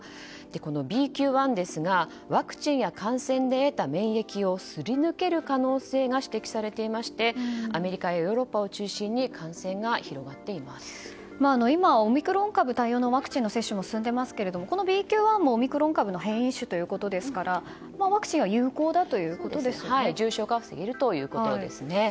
このＢＱ．１ですがワクチンや感染で得た免疫をすり抜ける可能性が指摘されていましてアメリカやヨーロッパを中心に今、オミクロン株対応のワクチンの接種も進んでいますけどもこのＢＱ．１のオミクロン株の変異種ということですからワクチンが重症化は防げるということです。